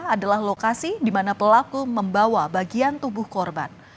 adalah lokasi di mana pelaku membawa bagian tubuh korban